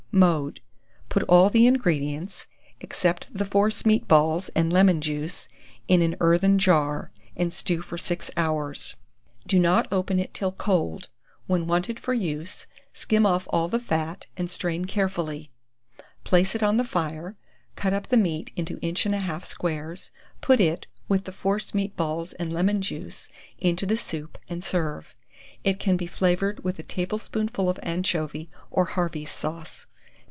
Mode. Put all the ingredients, except the force meat balls and lemon juice, in an earthen jar, and stew for 6 hours. Do not open it till cold. When wanted for use, skim off all the fat, and strain carefully; place it on the fire, cut up the meat into inch and a half squares, put it, with the force meat balls and lemon juice, into the soup, and serve. It can be flavoured with a tablespoonful of anchovy, or Harvey's sauce.